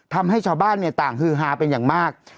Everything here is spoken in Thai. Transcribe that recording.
ทำให้ชาวบ้านต่างฮือฮาเป็นอย่างมาก